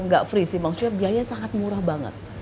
nggak free sih maksudnya biaya sangat murah banget